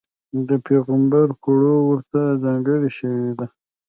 د پېغمبر کړو وړوته ځانګړې شوې ده.